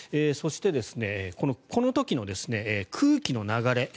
そして、この時の空気の流れ